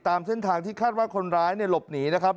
ตามเส้นทางที่คาดว่าคนร้ายหลบหนีนะครับ